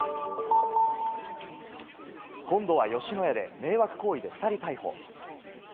今度は吉野家で、迷惑行為で２人逮捕。